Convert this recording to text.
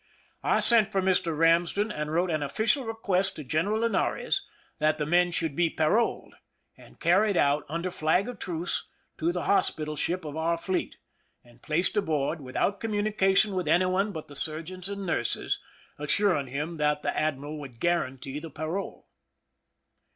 I sent for Mr. Ramsden, and wrote an official request to Greneral Linares that the men should be paroled, and carried out, under flag of truce, to the hospital ship of our fleet, and placed aboard, without communication with any one but the surgeons and nurses, assuring him that the admiral would guarantee the parole.